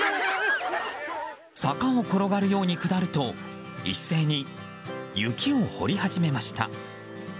坂を転がるように下ると一斉に雪を掘り始めました。